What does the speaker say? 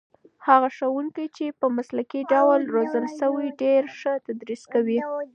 هغه ښوونکي چې په مسلکي ډول روزل شوي ډېر ښه تدریس کوي.